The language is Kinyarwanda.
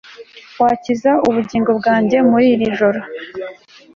wakiza ubugingo bwanjye muri iri joro